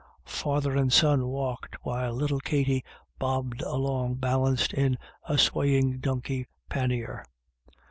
Father and son walked, while little Katty bobbed along balanced in a swaying donkey pan nier.